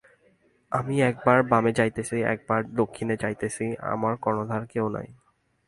আমি একবার বামে যাইতেছি, একবার দক্ষিণে যাইতেছি, আমার কর্ণধার কেহ নাই।